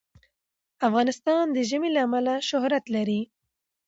افغانستان د ژمی له امله شهرت لري.